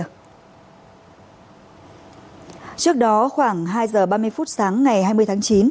trước đó khoảng hai giờ ba mươi phút sáng ngày hai mươi tháng chín